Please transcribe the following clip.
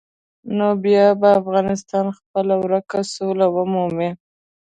نو بیا به افغانستان خپله ورکه سوله ومومي.